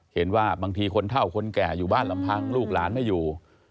บางทีคนเท่าคนแก่อยู่บ้านลำพังลูกหลานไม่อยู่